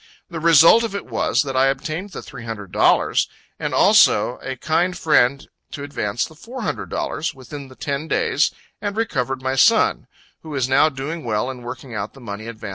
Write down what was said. The result of it was, that I obtained the three hundred dollars, and also a kind friend to advance the four hundred dollars, within the ten days, and recovered my son; who is now doing well, in working out the money advanced on him.